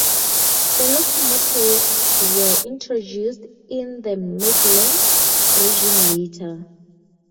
The locomotives were introduced in the Midland region later.